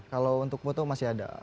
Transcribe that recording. kalau untuk foto masih ada